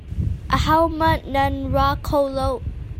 A ho hmanh nan ra kho lo.